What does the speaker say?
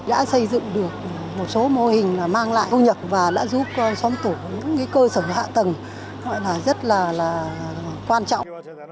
đã xây dựng được một số mô hình mang lại công nhật và đã giúp xóm tổ những cơ sở hạ tầng rất là quan trọng